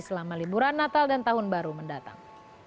selama liburan natal dan tahun baru mendatang